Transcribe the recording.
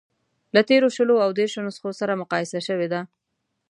له تېرو شلو او دېرشو نسخو سره مقایسه شوې ده.